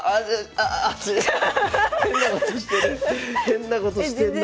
変なことしてる。